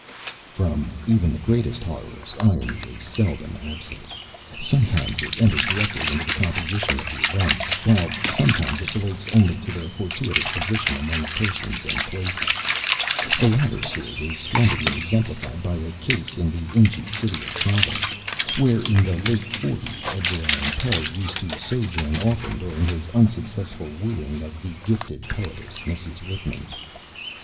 From even the greatest of horrors irony is seldom absent. Sometimes it enters directly into the composition of the events, while sometimes it relates only to their fortuitous position among persons and places. The latter sort is splendidly exemplified by a case in the ancient city of Providence, where in the late forties Edgar Allan Poe used to sojourn often during his unsuccessful wooing of the gifted poetess, Mrs. Whitman.